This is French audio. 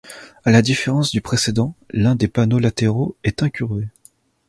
À la différence du précédent, l'un des panneaux latéraux est incurvé.